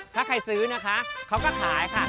ถ้าใครซื้อนะคะเขาก็ขายค่ะ